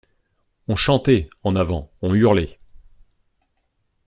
On chantait, en avant, on hurlait.